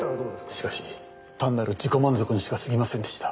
しかし単なる自己満足にしか過ぎませんでした。